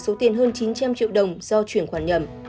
số tiền hơn chín trăm linh triệu đồng do chuyển khoản nhầm